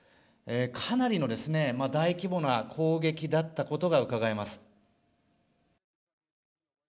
かなりの大規模な攻撃だったことがうかがえます。